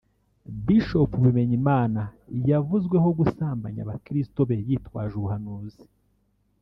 Bishop Bimenyimana yavuzweho gusambanya abakristo be yitwaje ubuhanuzi